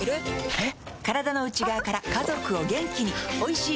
えっ？